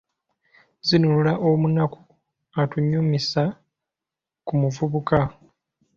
Zinunula omunaku atunyumiza ku muvubuka.